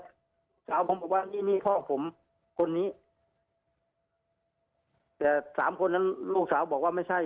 สาวผมบอกว่านี่นี่พ่อผมคนนี้แต่สามคนนั้นลูกสาวบอกว่าไม่ใช่